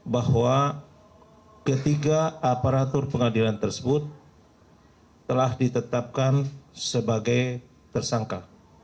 bahwa ketiga aparatur pengadilan tersebut telah ditetapkan sebagai tersangka